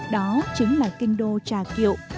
đó chính là kinh đô trà kiệu